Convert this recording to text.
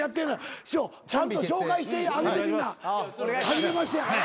師匠ちゃんと紹介してあげてみんな初めましてやから。